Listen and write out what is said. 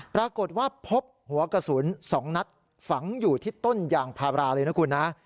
ปรากฏว่าพบหัวกระสุน๒นัดฝังอยู่ที่ต้นยางพาราเลยนะคุณนะ